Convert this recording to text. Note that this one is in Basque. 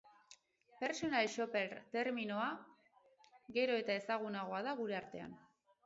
Personal shopper terminoa gero eta ezagunagoa da gure artean.